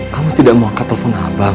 kamu tidak mau angka telepon abang